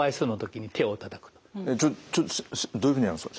ちょどういうふうにやるんですか？